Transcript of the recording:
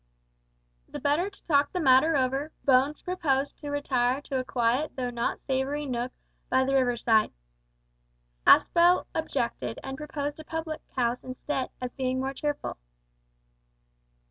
The better to talk the matter over, Bones proposed to retire to a quiet though not savoury nook by the river side. Aspel objected, and proposed a public house instead, as being more cheerful.